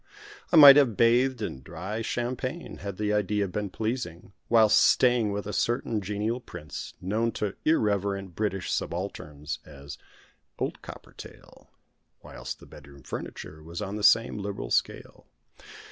I might have bathed in dry champagne, had the idea been pleasing, whilst staying with a certain genial prince, known to irreverent British subalterns as "Old Coppertail"; whilst the bedroom furniture was on the same liberal scale.